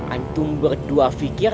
ustadz berdua pikir